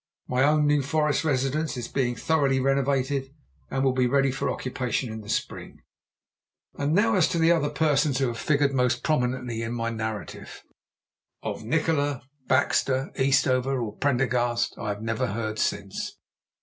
My own New Forest residence is being thoroughly renovated, and will be ready for occupation in the spring. And now as to the other persons who have figured most prominently in my narrative. Of Nikola, Baxter, Eastover, or Prendergast I have never heard since.